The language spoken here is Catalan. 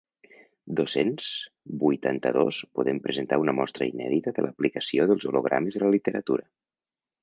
Dos-cents vuitanta-dos podem presentar una mostra inèdita de l'aplicació dels hologrames a la literatura.